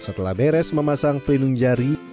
setelah beres memasang pelindung jari